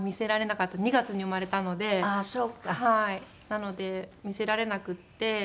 なので見せられなくって。